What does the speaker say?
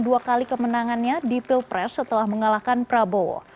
dua kali kemenangannya di pilpres setelah mengalahkan prabowo